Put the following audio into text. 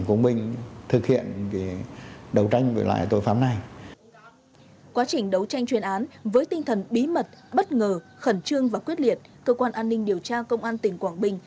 quá trình đấu tranh chuyên án với tinh thần bí mật bất ngờ khẩn trương và quyết liệt cơ quan an ninh điều tra công an tỉnh quảng bình